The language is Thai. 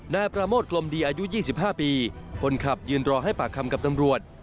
นาประโมทกลมดีอายุยี่สิบห้าปีคนขับยืนรอให้ปากคำกับน้ำรวจ